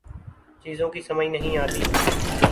چیزوں کی سمجھ نہیں آتی